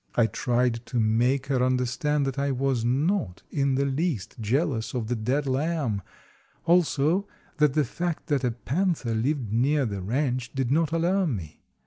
I tried to make her understand that I was not in the least jealous of the dead lamb; also that the fact that a panther lived near the ranch did not alarm me.